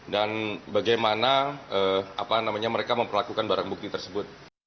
dan bagaimana mereka memperlakukan barang bukti tersebut